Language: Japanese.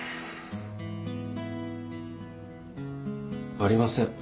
ありません。